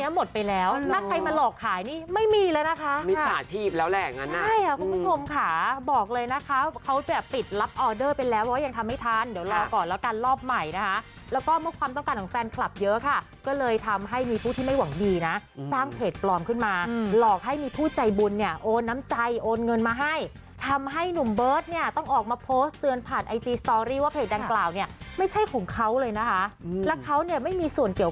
ขายหมดแล้วขอบพระยาทีการขอบพระยาทีการขอบพระยาทีการขอบพระยาทีการขอบพระยาทีการขอบพระยาทีการขอบพระยาทีการขอบพระยาทีการขอบพระยาทีการขอบพระยาทีการขอบพระยาทีการขอบพระยาทีการขอบพระยาทีการขอบพระยาทีการขอบพระยาทีการขอบพระยาทีการขอบพระยาทีการขอบพระยาทีการ